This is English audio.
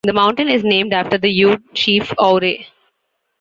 The mountain is named after the Ute Chief Ouray.